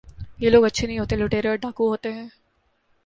یہ لوگ اچھے نہیں ہوتے ، لٹیرے اور ڈاکو ہوتے ہیں ۔